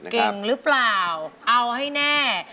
เก่งหรือเปล่าเอาให้แน่